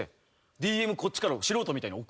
ＤＭこっちから素人みたいに送って。